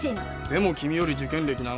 でも君より受験歴長いぜ。